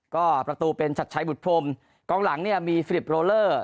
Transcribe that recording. ก็ประตูเป็นชัดชัยบุตรพรมกองหลังเนี่ยมีฟิลิปโรเลอร์